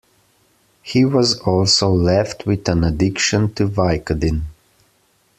He was also left with an addiction to Vicodin.